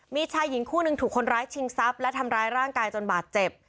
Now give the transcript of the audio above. มีชายหญิงคู่หนึ่งถูกคนร้ายชิงทรัพย์และทำร้ายร่างกายจนบาดเจ็บ